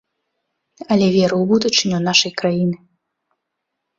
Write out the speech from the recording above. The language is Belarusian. Але веру ў будучыню нашай краіны.